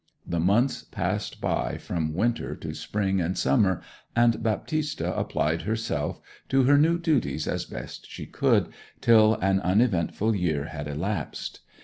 The months passed by from winter to spring and summer, and Baptista applied herself to her new duties as best she could, till an uneventful year had elapsed.